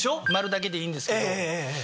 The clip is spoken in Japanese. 「○」だけでいいんですけど。